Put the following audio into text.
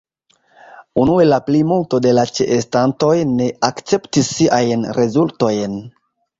Unue la plimulto de la ĉeestantoj ne akceptis siajn rezultojn.